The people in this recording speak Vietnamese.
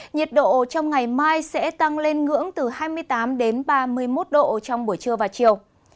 nhiệt độ trong ngày mai sẽ tăng lên ngưỡng từ hai mươi tám đến ba mươi một độ trong buổi trưa và chiều